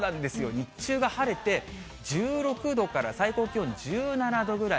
日中が晴れて、１６度から最高気温１７度ぐらい。